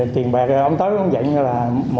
tiền bạc ông tới ông dạy là